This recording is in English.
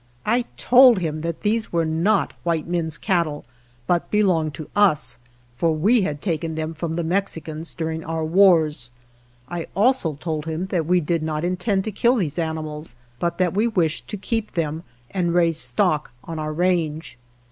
I told him that these were not white men's cattle, but belonged to us, for we had taken them from the Mexicans during our wars. I also told him that we did not intend to kill these ani mals, but that we wished to keep them and raise stock on our range.